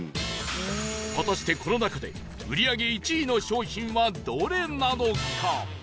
果たしてこの中で売り上げ１位の商品はどれなのか？